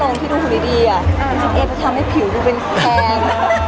ผู้แข่งบอกว่าไม่กล้าไปกับอ้ำแล้วโปรดแก้ม